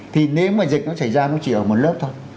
thì nếu mà dịch nó xảy ra nó chỉ ở một lớp thôi